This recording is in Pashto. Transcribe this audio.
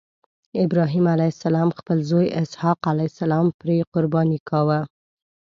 ابراهیم علیه السلام خپل زوی اسحق علیه السلام پرې قرباني کاوه.